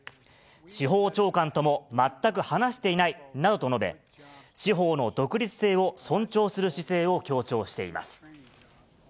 司法長官とも全く話していないなどと述べ、司法の独立性を尊重する姿勢を強調しています。